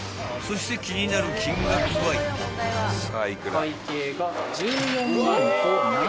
［そして気になる金額わいな？］